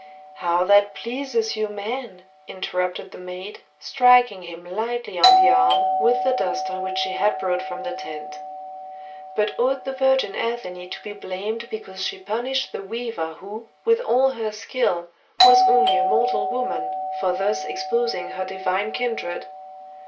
"How that pleases you men!" interrupted the maid, striking him lightly on the arm with the duster which she had brought from the tent. "But ought the virgin Athene to be blamed because she punished the weaver who, with all her skill, was only a mortal woman, for thus exposing her divine kindred?"